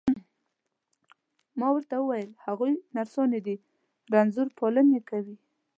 ما ورته وویل: هغوی نرسانې دي، رنځور پالني کوي.